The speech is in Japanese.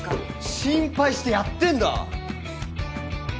心配してやってんだ！